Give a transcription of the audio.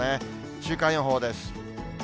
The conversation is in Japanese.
週間予報です。